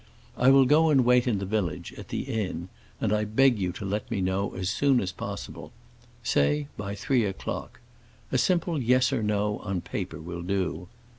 I will go and wait in the village, at the inn, and I beg you to let me know as soon as possible. Say by three o'clock. A simple yes or no on paper will do.